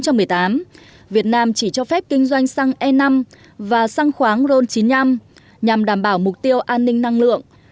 từ ngày một tháng một năm hai nghìn một mươi tám việt nam chỉ cho phép kinh doanh xăng e năm và xăng khoáng ron chín mươi năm nhằm đảm bảo mục tiêu an ninh năng lượng